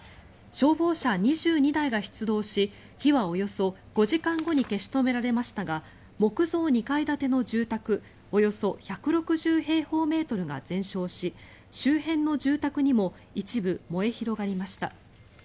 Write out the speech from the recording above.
消防車２２台が出動し火は、およそ５時間後に消し止められましたが木造２階建ての住宅およそ１６０平方メートルが全焼し周辺の住宅にも一部燃え広がりました。